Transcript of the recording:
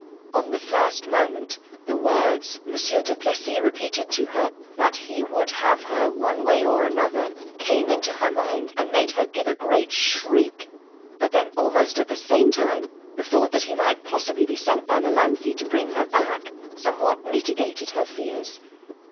On the first moment the words monsieur du Plessis repeated to her, that he would have her one way or another, came into her mind, and made her give a great shriek; but then almost at the same time the thought that he might possibly be sent by Melanthe to bring her back, somewhat mitigated her fears.